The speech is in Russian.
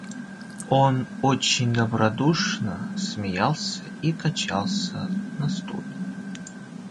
Он очень добродушно смеялся и качался на стуле.